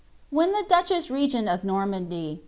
When the duchesB regcnl of Normnndy.